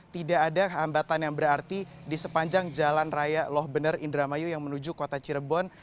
tidak ada hambatan yang berarti di sepanjang jalan raya loh bener indramayu yang menuju kota cirebon